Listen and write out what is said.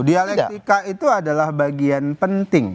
dialektika itu adalah bagian penting